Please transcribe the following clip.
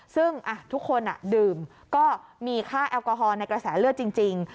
ซึ่งทุกคนดื่มก็มีค่าแอลกอฮอลในกระแสเลือดจริง